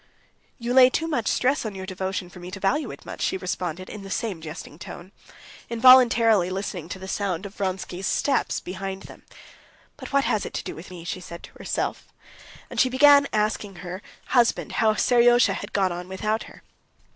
"You lay too much stress on your devotion for me to value it much," she responded in the same jesting tone, involuntarily listening to the sound of Vronsky's steps behind them. "But what has it to do with me?" she said to herself, and she began asking her husband how Seryozha had got on without her.